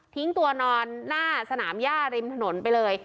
ทิ้งตัวนอนหน้าสนามญาเนื้อเชื้อริมถนนไปเลย